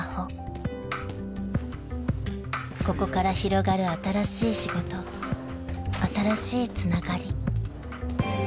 ［ここから広がる新しい仕事新しいつながり］